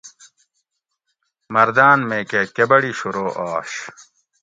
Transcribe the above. مردان میکہ کبڑی شروع آش